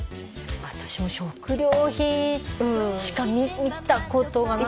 私も食料品しか見たことがない。